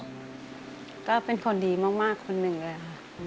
อเรนนี่ส์ก็เป็นคนดีมากคนหนึ่งเลยค่ะ